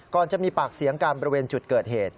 จะมีปากเสียงกันบริเวณจุดเกิดเหตุ